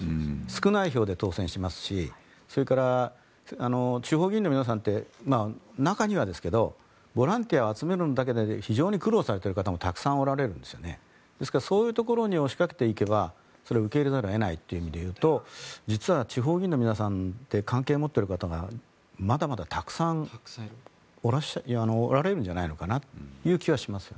少ない票で当選しますしそれから、地方議員の皆さんって中にはですけどボランティアを集めるのに非常に苦労している方もいるんですですから、そういうところに押しかけていけば受け入れざるを得ないという意味で言うと実は、地方議員の皆さんって関係を持ってる方がまだまだたくさんおられるんじゃないかなという気はします。